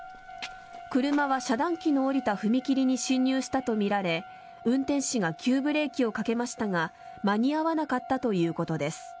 車は遮断機の下りた踏切に進入したとみられ運転士が急ブレーキをかけましたが間に合わなかったということです。